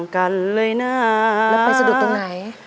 มองเจ้า